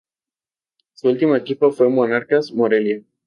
Su último equipo fue Monarcas Morelia.